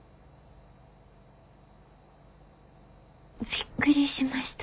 びっくりしました。